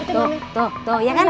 tuh tuh tuh iya kan